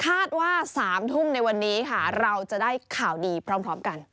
ว่า๓ทุ่มในวันนี้ค่ะเราจะได้ข่าวดีพร้อมกัน